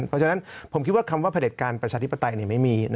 เพราะฉะนั้นผมคิดว่าคำว่าพระเด็จการประชาธิปไตยไม่มี